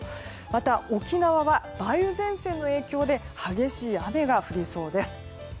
また沖縄は梅雨前線の影響で激しい雨が降りそうです。